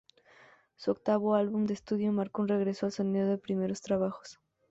Su octavo álbum de estudio marcó un regreso al sonido de sus primeros trabajos.